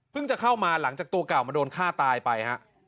จะเข้ามาหลังจากตัวเก่ามาโดนฆ่าตายไปฮะ